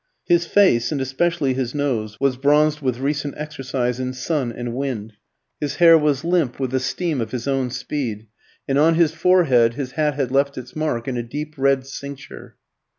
His face, and especially his nose, was bronzed with recent exercise in sun and wind, his hair was limp with the steam of his own speed, and on his forehead his hat had left its mark in a deep red cincture.